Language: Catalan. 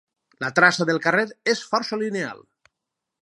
La traça del carrer és força lineal.